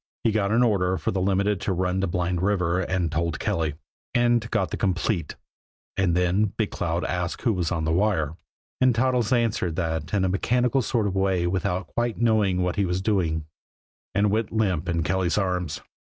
He got an order for the Limited to run to Blind River and told Kelly, and got the "complete" and then Big Cloud asked who was on the wire, and Toddles answered that in a mechanical sort of a way without quite knowing what he was doing and went limp in Kelly's arms.